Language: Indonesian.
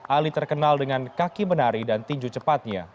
ali terkenal dengan kaki menari dan tinju cepatnya